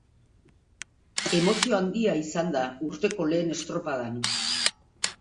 Emozio handia izan da urteko lehen estropadan.